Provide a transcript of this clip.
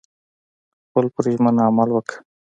خپل په ژمنه عمل وکړه